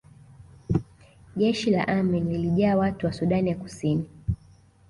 Jeshi la Amin lilijaa watu wa Sudan ya Kusini